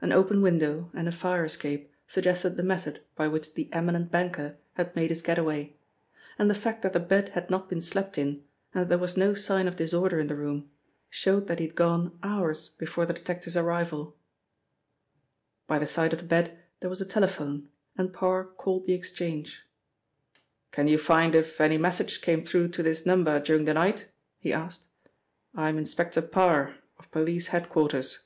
An open window and a fire escape suggested the method by which the eminent banker had made his getaway, and the fact that the bed had not been slept in and that there was no sign of disorder in the room, showed that he had gone hours before the detective's arrival. By the side of the bed there was a telephone, and Parr called the exchange. "Can you find if any message came through to this number during the night?" he asked. "I am Inspector Parr, of police head quarters."